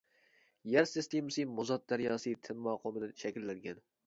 يەر سىستېمىسى مۇزات دەرياسى تىنما قۇمىدىن شەكىللەنگەن.